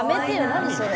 何それ。